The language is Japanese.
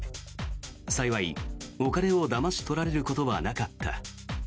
幸い、お金をだまし取られることはなかった。